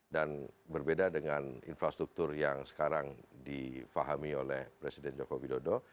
dan berbeda dengan infrastruktur yang sekarang difahami oleh presiden joko widodo